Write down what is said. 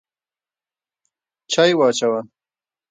چای واچوه!